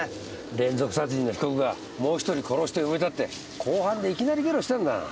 連続殺人の被告がもう１人殺して埋めたって公判でいきなりゲロしたんだ。